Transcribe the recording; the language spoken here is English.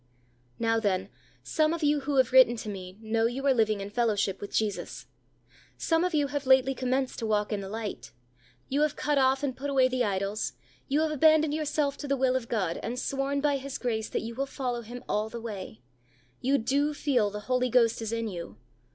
Now, then, some of you who have written to me, know you are living in fellowship with Jesus. Some of you have lately commenced to walk in the light. You have cut off and put away the idols; you have abandoned yourself to the will of God, and sworn, by His grace, that you will follow Him all the way. You do feel the Holy Ghost is in you.